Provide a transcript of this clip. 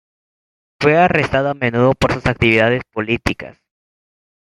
Fue arrestado a menudo por sus actividades políticas.